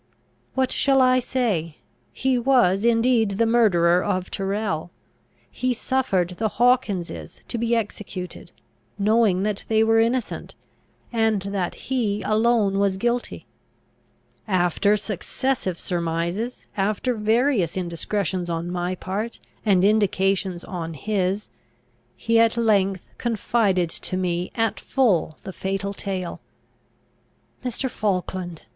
"What shall I say? He was indeed the murderer of Tyrrel; he suffered the Hawkinses to be executed, knowing that they were innocent, and that he alone was guilty. After successive surmises, after various indiscretions on my part, and indications on his, he at length confided to me at full the fatal tale! "Mr. Falkland!